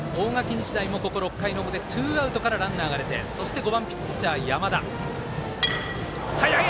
日大も６回の表ツーアウトからランナーが出て、５番ピッチャーの山田。